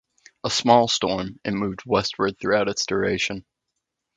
A small storm, it moved westward throughout its duration.